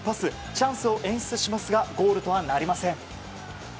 チャンスを演出しますがゴールとはなりません。